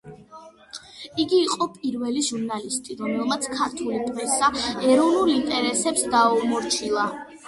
იგი იყო პირველი ჟურნალისტი, რომელმაც ქართული პრესა ეროვნულ ინტერესებს დაუმორჩილა.